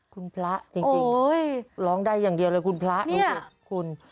คุณพระจริงจริงโอ้ยร้องได้อย่างเดียวเลยคุณพระนี่